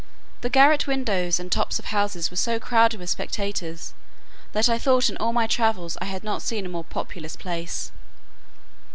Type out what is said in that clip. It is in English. The garret windows and tops of houses were so crowded with spectators, that I thought in all my travels I had not seen a more populous place.